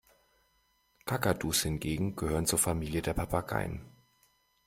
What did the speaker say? Kakadus hingegen gehören zur Familie der Papageien.